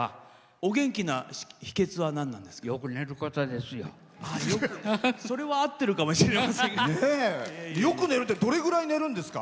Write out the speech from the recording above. お元気な秘けつはなんなんですか？